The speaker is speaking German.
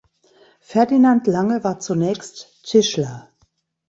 Ferdinand Lange war zunächst Tischler.